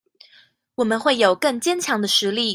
我們會有更堅強的實力